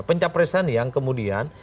pencapresen yang kemudian